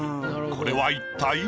これは一体？